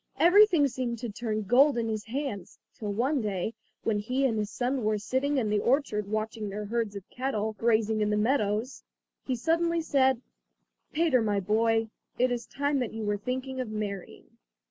Everything seemed to turn to gold in his hands, till one day, when he and his son were sitting in the orchard watching their herds of cattle grazing in the meadows, he suddenly said: "Peter, my boy, it is time that you were thinking of marrying."